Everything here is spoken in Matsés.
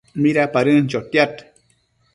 Midapadën chotiad